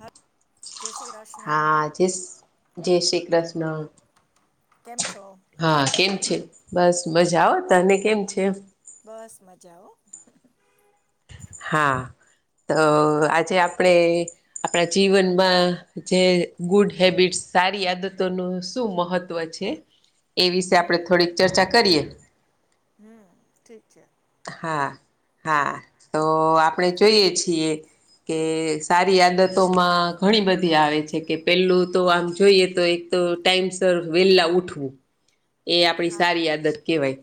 હા હા જીસ જય શ્રી કૃષ્ણ. કેમ છો? હા. કેમ છે? બસ મજા હા. તને કેમ છે? બસ મજા હો. હા તો આજે આપણે આપણા જીવનમાં જે ગુડ હેબિટસ સારી આદતોનું શું મહત્ત્વ છે? એ વિશે આપણે થોડીક ચર્ચા કરીએ. ઠીક છે. હા હા તો આપણે જોઈએ છીએ. કે સારી આદતોમાં ઘણી બધી આવે છે કે પહેલું તો આમ જોઈએ તો એક તો ટાઈમ સર વેલા ઉઠવું. એ આપડી હા સારી આદત કેહવાય.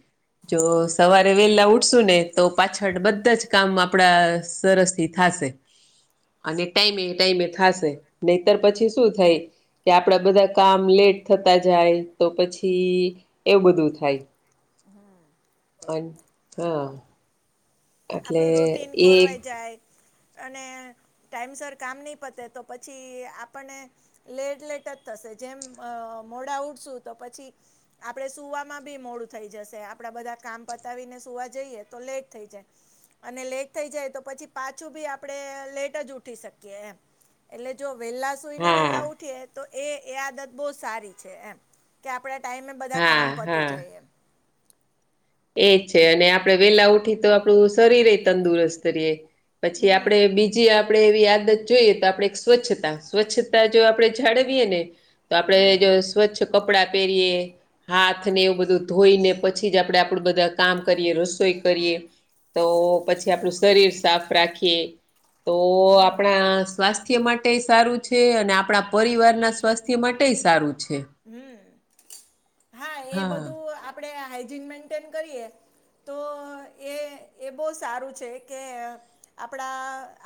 જો સવાર વેલા ઉઠશું ને તો પાછળ બધા જ કામ આપડા અ સરસથી થશે. અને ટાઈમે ટાઈમે થાશે નહીતર પછી શું થાય. કે આપડા બધા કામ લેટ થતા જાય તો પછી એવું બધું થાય. અન હા. એટલે આપણું રૂટીન એ ખોરવાઈ જાય. અને ટાઈમસર કામ ની પતે તો પછી આપણને લેટ, લેટ જ થશે જેમ મોડા અ ઉઠશું તો પછી આપડે સુવામાં બી મોડું થઈ જશે. આપડા બધા કામ પતાવીને સુવા જઈએ તો લેટ થઈ જાય. અને લેટ થઈ જાય તો પછી પાછું ભી આપણે લેટ જ ઉઠી શકીએ એમ. એટલે જો વેહલા સુઈને હા વેહલા ઉઠીએ તો એ એ આદત બો સારી છે એમ. કે આપણે ટાઈમે બધા હા કામ પતી જાય એમ. એજ છે અને આપણે વેલા ઉઠયે તો આપણું શરીર એ તંદુરસ્ત રેય. પછી હમ આપડે બીજ જે આપણે એવી આદત જોઈએ તો આપણે સ્વચ્છતા. સ્વચ્છતા જો આપણે જાળવીએ ને તો આપણે હમ જ સ્વચ્છ કપડાં પહેરીએ હાથને એવું બધું ધોઈને પછી જ આપણેે આપડ બધા કામ કરીએ રસોઈ કરીએ તો પછી આપણું શરીર સાફ રાખીએ તો હમ આપણા સ્વાસ્થ્ય માટે સારું છે અને આપણા પરિવારના સ્વાસ્થ્ય માટે સારું છે હમ્મ હા એ બધું આપડે હાઈજીન મેન્ટેન કરીએ તો એ એ બો સારું છે કે આપણા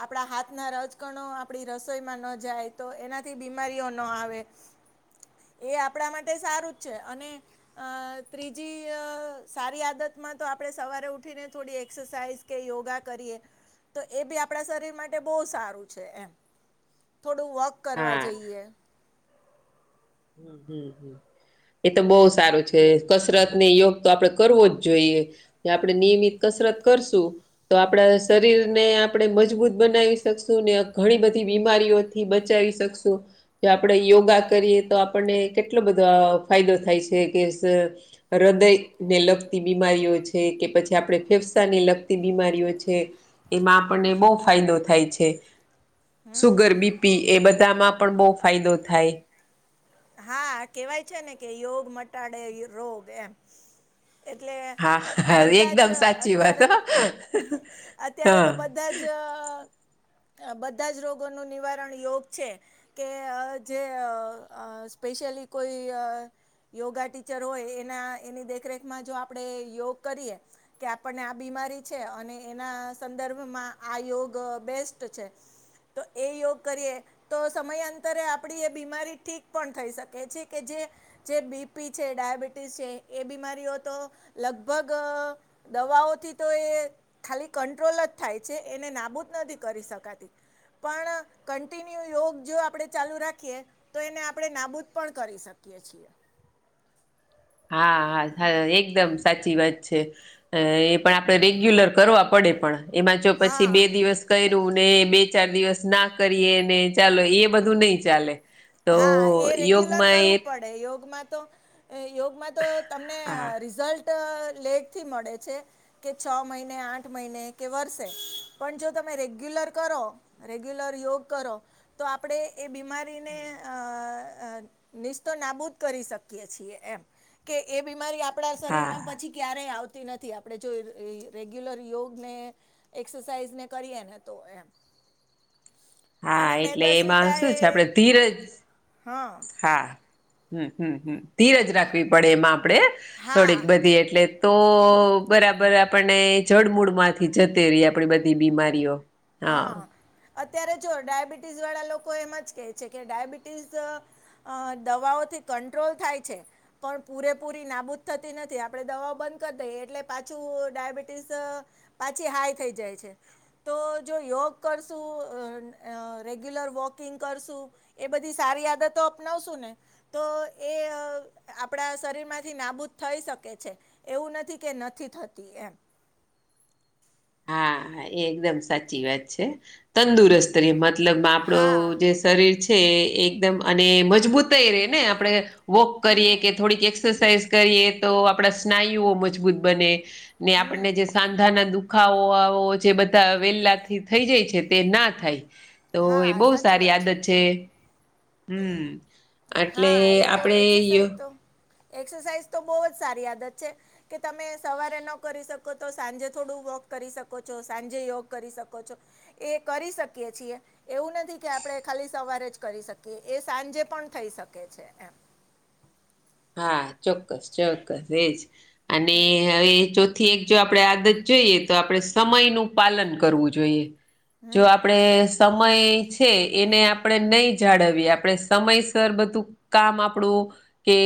આપણા હાથના રજકણો આપડી રસોઈમાં ન જાય તો એના તે બીમારીઓ ન આવે. એ આપણા માટે સારું જ છે અને અ ત્રીજી સારી આદતમાં તો આપડે સવારે ઉઠીને થોડી એક્સરસાઇઝ કે યોગા કરીએ તો એ બી આપણા શરીર માટે બો સારું છે એમ. થોડું વોક કરવા હા જઈએ હમ્મ હમ્મ હમ્મ એ તો બહુ સારું છે કસરત ને યોગ તો આપડે કરવો જ જોઈએ એ આપણેે નિયમિત કસરત કરશું તો આપણા શરીરને આપણે મજબૂત બનાવી શકશું ને ઘણી બધી બીમારીઓ થી બચાવી શકશું જે આપણે યોગા કરીએ તો આપણને કેટલો બધો ફાયદો થાય છે કે હૃદયને લગતી બીમારીઓ છે કે પછી આપણે ફેફસા ને લગતી બીમારીઓ છે એમાં આપણને બહુ ફાયદો થાય છે સુગર બીપી એ બધામાં પણ બહુ ફાયદો થાય. હા કેવાય છે ને કે યોગ મટાડે રોગ એમ એટલે હા હા બધા જ એકદમ સાચી વાત અત્યારે તો હ અત્યારે હા. તો બધા જ જ બધા જ રોગોનું નિવારણ યોગ છે કે જે સ્પેશેશયલી કોઈ યોગા ટીચર હોય એના એની દેખરેખમાં જો આપણે યોગ કરીએ કે આપણને આ બીમારી છે અને એના સંદર્ભમાં આ યોગ બેસ્ટ છે તો એ યોગ કરીએ તો સમયાંતરે આપણી એ બીમારી ઠીક પણ થઈ શકે છે કે જે જે બીપી છે ડાયાબિટીસ છે એ બીમારીઓ તો લગભગ દવાઓથી તો એ ખાલી કંટ્રોલ જ થાય છે એને નાબૂદ નથી કરી શકાતી પણ કન્ટિન્યુ યોગ જો આપણે ચાલુ રાખીએ તો એને આપણે આપણે નાબૂદ પણ કરી શકીએ છીએ. હા હા એકદમ સાચી વાત છે. અ એ પણ આપડે રેગ્યુલર કરવા પડે પણ એમાં જો પછી બે હા દિવસ કર્યું ને બે ચાર દિવસ ના કરીએ ને ચાલો એ બધું નઈ ચાલે તો હા એ રેગ્યુલર યોગમાં એ કરવું પડે યોગમાં તો યોગમાં તો તમને હા રિઝલ્ટ લેટ થી મળે છે. કે છ મહિને આઠ મહિને કે વર્ષે પણ જો તમે રેગ્યુલર કરો. રેગ્યુલર યોગ કરો તો આપણે એ બીમારીને અ અ નીશતો નાબૂદ કરી શકીએ છીએ એમ કે એ બીમારી આપ. આપણા શરીરમાં હા પછી ક્યારેય આવતી નથી આપણે જો રેગ્યુલર યોગને એક્સરસાાઈઝ ને કરી એ ને તો એમ હા અને મેદ એટલે એમાં સ્વતા શું એ છે આપડે ધીરજ હા હા હમ્મ હમ્મ હમ્મ ધીરજ રાખવી પડે એમાં આપણેે થોડીક હા બધી એટલે તો બરાબર આપણને જડમૂળ માંથી જતે રહી આપણી બધી બીમારીઓ હા અત્યારે જો ડાયાબિટીસ વાળા લોકો એમ જ કેહે છે કે ડાયાબિટીસ અ દવાઓથી કંટ્રોલ થાય છે. પણ પૂરેપૂરી નાબૂદ થતી નથી આપણે દવાઓ બંધ કરી દઈએ એટલે પાછું ડાયાબિટીસ પાછી હાઈ થઈ જાય છે. તો [inaudible] જો યોગ કરશું રેગ્યુલર વોકિંગ કરશું. એ બધી સારી આદતો અપનાવશું ને. તો એ આપણા શરીરમાંથી નાબૂદ થઈ શકે છે. એવું નથી કે નથી થતી એમ. હા હા એ એકદમ સાચી વાત છે તંદુરસ્ત રે મતલબમાં આપડો હા જે શરીર છે એકદમ અને મજબૂતઈ રે ને આપડે વોક કરીએ હમ કે થોડીક એક્સ એક્સરસાઇઝ કરીએ તો આપણા સ્નાયુઓ મજબૂત બને ને આપણને હમ જે સાંધાના દુઃખ દુખાવો આવો જે બધા વેલાથી થઈ જાય છે તે ના થાય. તો એ હા બહુ સાચી સારી વાત આદત છે. હમ્મ એટલે હા એ તો આપડે ઇએ એક્સરસાઇઝ તો એક્સરસાઇઝ તો બહુ જ સારી આદત છે. કે તમે સવારે ન કરી શકો તો સાંજે થોડું વોક કરી શકો છો સાંજે યોગ કરી શકો છો. એ કરી શકીએ છીએ એવું નથી કે આપણેે ખાલી સવારે જ કરી શકીએ એ સાંજે પણ થઈ શકે છે એમ. હા ચોક્કસ ચોક્કસ એજ અને હમ હવે એ ચો થી એક જો આપણે આદત જોઈએ તો આપણે સમયનું પાલન કરવું જોઈએ. જો હમ આપડે સમ સમય છે એને આપણે નહી જાળવીએ આપણે સમયસર બધું કામ આપણું કે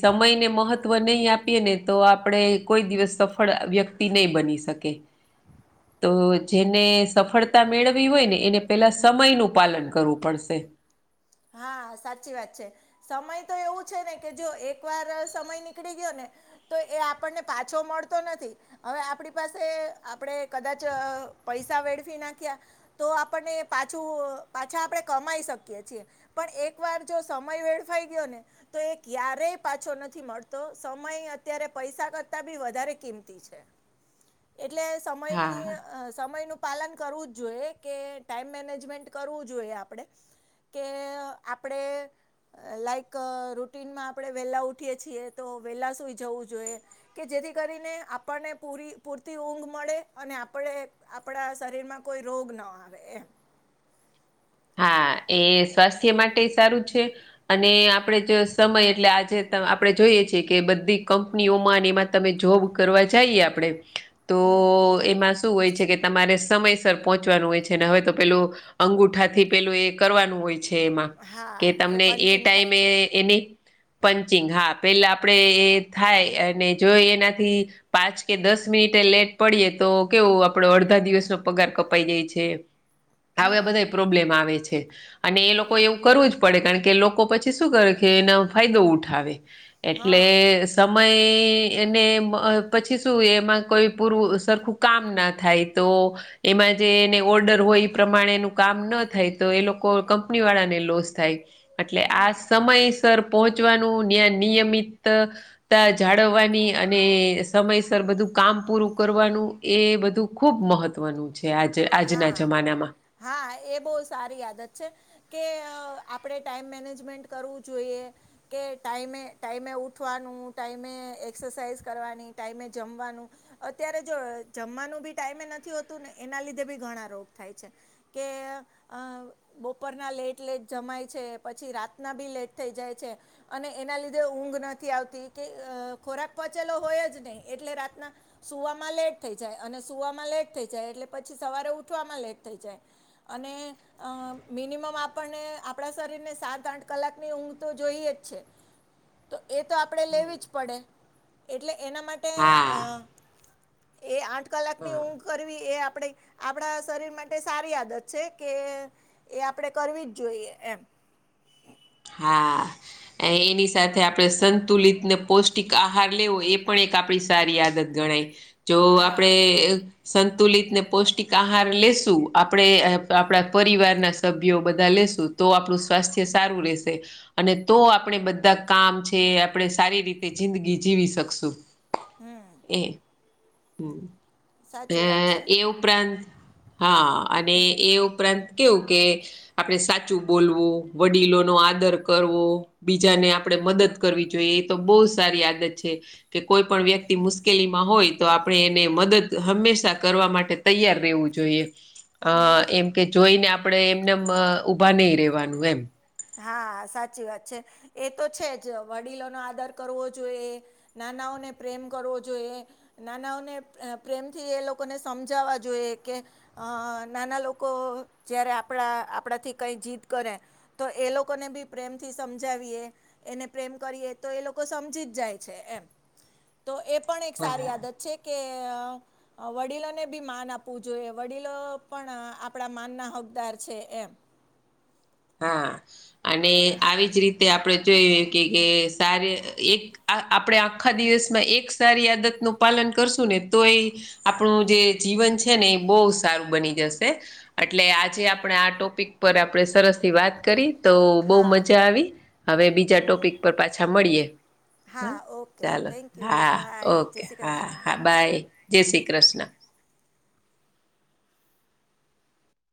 સમયને મહત્વ નહી આપીએ ને તો આપણેે કોઈ દિવસ સફળ વ્યક્ત તી નહી બની શકે. તો જેને સફળતા મેળવી હોય ને એને પેલા સમયનું પાલન કરવું પડશે. હા સાચી વાત છે. સમય તો એવું છે ને કે જો એક વાર સમય નીકળી ગયો ને તો એ આપણને પાછો મળતો નથી. હવે આપણી પાસે આપણે કદાચ પૈસા વેડફી નાખ્યા તો આપણને પાછું પાછા આપણેે કમાઈ શકીએ છીએ. પણ એકવાર જો સમય વેડફાઈ ગયો ને તો એ ક્યારેય પાછો નથી મળતો સમય અત્યારે પૈસા કરતા બી વધારે કિંમ કિંમતી છે એટલે સમયની હા આ સમય નું પાલન કરવું જ જોઈએ કે ટાઈમ મેનેજમેન્ટ કરવું જોઈએ આપડે કે આપડે લાઈક રુટનમાં આપણે વેલા ઉઠીએ છીએ તો વેલા સુઈ જવું જોઈએ. કે જેથી કરીને આપણને પૂરી પૂરતી ઊંઘ મળે અને આપણે આપણા શરીરમાં કોઈ રોગ ન આવે એમ. હા એ સ્વાસ્થ્ય માટે સારું છે અને આપણેે જો સમય એટલે આજે તા આપડી જોઈએ છીએ કે બધી કંપનીઓમાં ને એમાં તમે જોબ કરવા જઈએ આપડે તો હમ એમાં શું હોય છે કે તમારે સમય તા પહોંચવાનું હોય છે હવે તો પેલું અંગુઠા થી પેલું એ કરવાનું હોય છે. એમાં હા કે તમને એ પંચિંગ થાય ટાઈમે છે એ એની પંચિંગ હા પેલા આપડે એ થાય અને જો એનાથી પાંચ કે દસ મિનિટે લેટ પડીએ તો કેવું આપડો અડધા દિવસનો પગાર કપાઈ ગઈ છે. આ હમ બધા પ્રોબ્લેમ આવે છે અને એ હા લોકો એવું કરું જ પડે કારણ કે લોકો પછી શું કરે કે એનો ફાયદો ઉઠાવે હા એટલે સા સમય ને પછી શું એમાં કોઈ પૂરું સરખું કામ ના થાય તો એમાં જે એને ઓર્ડર હોય એ પ્રમાણે નું કામ ન થાય તો એ લોકો કંપની વાળાને લોસ થાય ટલે આ હમ સમય સર પહોંચવાનુંયા નિયમિત. તા જાળવવાની અને સમયસર બધું કામ પૂરું કરવાનું. એ બધું ખૂબ મહત્વનું છે આજ આજના હા જમાનામાં. હા એ બહુ સારી આદત છે. કે આપડે ટાઈમ મેનેજમેન્ટ કરવું જોઈએ. કે ટાઈમે ટાઈમે ઉઠવાનું ટાઈમે એક્સરસાઇઝ કરવાની ટાઈમે જમવાનું. અત્યારે જો જમવાનું બી ટાઈમે નથી હોતું ને એના લીધે બી ઘણા રોગ થાય છે. કે આ બપોરના લેટ લેટ જમાય છે પછી રાતના બી લેટ થઈ જાય છે. અને એના લીધે ઊંઘ નથી આવતી કે ખોરાક પચેલો હોય જ નહી એટલે રાતના. સુવામાં લેટ થઈ જાય અને સુવામાં લેટ થઈ જાય એટલે પછી સવારે ઉઠવામાં લેટ થઈ જાય. અને. અ મિનિમમ આપણને આપણા શરીરને સાત આઠ કલાકની ઊંઘ તો જોઈએ જ છે. તો એ તો આપણે લેવી જ પડે એટલે એના માટે. હા. એ આઠ કલાકની હા ઊંઘ કરવી એ આપણે. આપણા શરીર માટે સારી આદત છે કે એ આપણે કરવી જ જોઈએ એમ. હા એ એની સાથે આપણે સંતુલિત ને પૌષ્ટિક આહાર લેવો એ પણ એક. આપણી સારી આદત ગણાય જો હા આપડણે. સંતુલિત ને પૌષ્ટિક આહાર લેશું આપણે આપણા પરિવારના સભ્યો બધા લેશું. તો આપણું સ્વાસ્થ્ય સારું રહેશે. અને તો આપણે બધા કામ છે આપણે સારી રીતે જિંદગી જીવી શકશું. હમ એ સાચી વાત છે હ એ ઉપરાંત. હા અને એ ઉપરાંત કેવું કે. આપણે સાચું બોલવું વડીલો નો આ. આદર કરવો બીજાને આપણે મદદ કરવી જોઈએ એ તો બહુ સારી આદત છે. કે કોઈ પણ વ્યક્તિ મુશ્કેલીમાં હોય તો આપણે એને મદદ હંમેશા કરવા માટે તૈયાર. વું જોઈએ અ હમ એમ કે જોઈને આપડણે એમને ઉઊભા નહી રેવાનું એમ. હા સાચી વાત છે એ તો છે જ વડીલોનોો આદર કરવો જોઈએ. નાનાઓને પ્રેમ કરવો જોઈએ નાનાઓને પ્રેમથી એ લોકોને સમજાવા જોઈએ કે અ નાના લોકો જ્યારે આપણા આપણાથી કંઈ જીત કરે તો એ લોકોને બી પ્રેમથી સમજાવીએ એને પ્રેમ કરીએ તો એ લોકો સમજી જ જાય છે એમ તો એ પણ એક હા સારી આદત છે કે વડીલોને બી માન આપવું જોઈએ વડીલો પણ આપણા માનના હક હા અને આવી જ રીતે આપણે જોય કે કે સારી એક આ આપણે આખા દિવસમાં એક સારી આદત નું પાલન કરશું ને તો એ આપણું જે જીવન છે ને એ બહુ સારું બની જશે એટલે આજે આપણે આ ટોપિક પર આપણે સરસ થી વાત કરી તો બહુ હા મજા આવી હવે બીજા હમ ટોપિક પર પાછા મળીએે હા ઓકે ચાલો થેન્ક યુ હા બાય જય ઓકે શ્રી હા કૃષ્ણ હા બાય જય શ્રી કૃષ્ણ